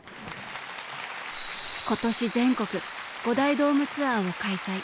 今年全国５大ドームツアーを開催。